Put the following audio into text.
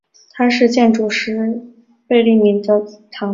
她是建筑师贝聿铭的堂妹。